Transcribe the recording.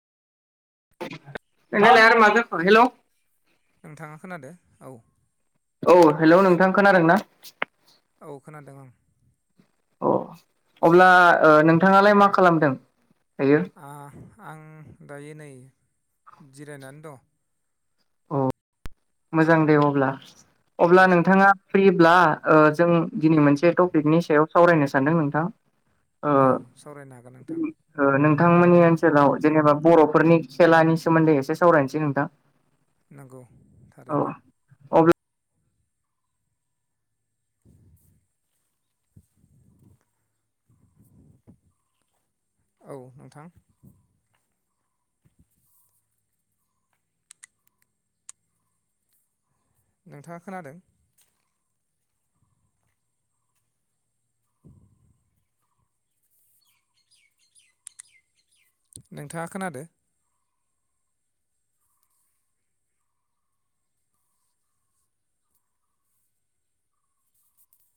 [unintelligible] Ally आरो मा जाखो? हेलौ। नोंथाङा खोनादो औ। औ हेलौ नोंथां खोनादों ना? औ खोनादों ओं अ अब्ला ओ नोंथाङालाय मा खालामदों? दायो आ आं दायो नै जिरायनानै दं। अ'। मोजां दे अब्ला। औ अब्ला नोंथाङा फ्रिब्ला ओ जों दिनै मोनसे टपिकनि सायाव सावरायनो सानदों नोंथां ओ औ सावरायनो हागोन नोंथां ओ नोंथांमोननि ओनसोलाव जेनोबा बर' फोरफोरनि खेलानि सोमोन्दै एसे सावरायनोसै नोंथां। नंगौ थारैनो औ अब्ल [inaudible] औ नोंथां। नोंथाङा खोनादों? [inaudible] नोंथाङा खोनादो?